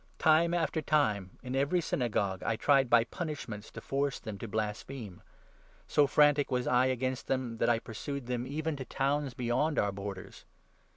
Time after n time, in every Synagogue, I tried by punishments to force them to blaspheme. So frantic was I against them, that I pursued them even to towns beyond our borders.